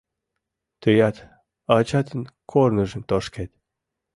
— Тыят ачатын корныжым тошкет.